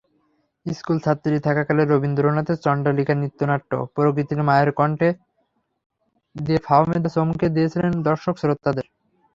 স্কুলছাত্রী থাকাকালে রবীন্দ্রনাথের চণ্ডালিকা নৃত্যনাট্যে প্রকৃতির মায়ের কণ্ঠ দিয়ে ফাহমিদা চমকে দিয়েছিলেন দর্শক-শ্রোতাদের।